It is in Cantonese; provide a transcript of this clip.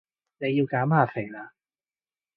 你要減下肥啦